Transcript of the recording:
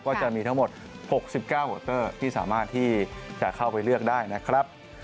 ก็จะมีทั้งหมด๖๙วอเตอร์ที่สามารถที่จะเข้าไปเลือกได้นะครับ